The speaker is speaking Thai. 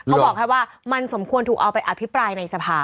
เขาบอกแค่ว่ามันสมควรถูกเอาไปอภิปรายในสภา